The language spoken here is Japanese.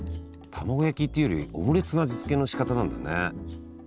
たまご焼きっていうよりオムレツの味付けのしかたなんだね。